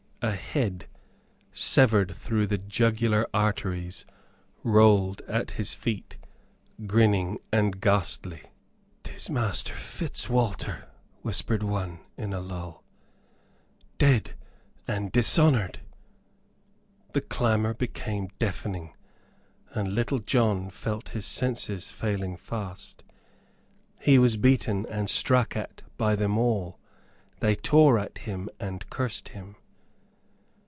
A head, severed through the jugular arteries, rolled at his feet, grinning and ghastly. "'Tis Master Fitzwalter," whispered one, in a lull. "Dead and dishonored " The clamor became deafening, and Little John felt his senses failing fast. He was beaten and struck at by them all; they tore at him, and cursed him.